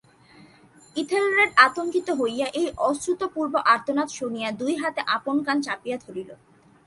Ethelred আতঙ্কিত হইয়া, এই অশ্রুতপূর্ব আর্তনাদ শুনিয়া দুই হাতে আপন কান চাপিয়া ধরিল।